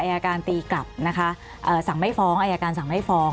อายการตีกลับนะคะสั่งไม่ฟ้องอายการสั่งไม่ฟ้อง